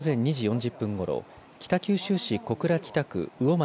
きょう午前２時４０分ごろ北九州市小倉北区魚町